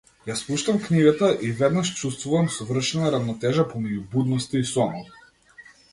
Ја спуштам книгата и веднаш чувствувам совршена рамнотежа помеѓу будноста и сонот.